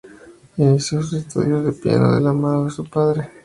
Inició sus estudios de piano de la mano de su padre.